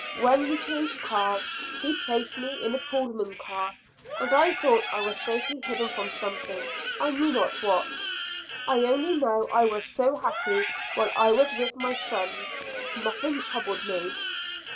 When we changed cars, he placed me in a Pullman car, and I thought I was safely hidden from something, I knew not what. I only know I was so happy while I was with my sons; nothing troubled me.